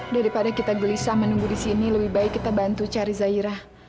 daripada kita gelisah menunggu di sini lebih baik kita bantu cari zairah